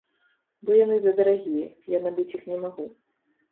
Бо яны задарагія, я набыць іх не магу.